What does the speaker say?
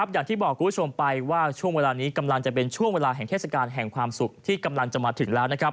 อย่างที่บอกคุณผู้ชมไปว่าช่วงเวลานี้กำลังจะเป็นช่วงเวลาแห่งเทศกาลแห่งความสุขที่กำลังจะมาถึงแล้ว